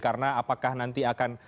karena apakah nanti akan